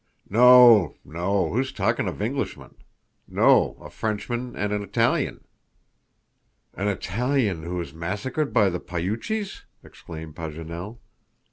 "No, no. Who is talking of Englishmen? No; a Frenchman and an Italian." "An Italian who was massacred by the Poyuches?" exclaimed Paganel.